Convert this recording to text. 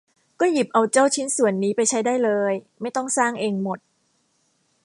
ก็หยิบเอาเจ้าชิ้นส่วนนี้ไปใช้ได้เลย ไม่ต้องสร้างเองหมด